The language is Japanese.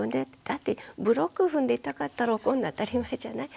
だってブロック踏んで痛かったら怒るの当たり前じゃない？